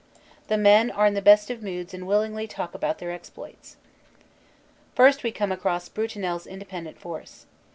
The men are in the best of moods and willingly talk about their exploits. 77 78 CANADA S HUNDRED DAYS First we come across Brutinel s Independent Force.